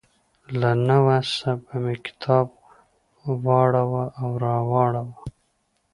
له نه وسه به مې کتاب واړاوه او راواړاوه.